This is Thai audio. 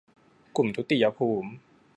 กลุ่มทุติยภูมิ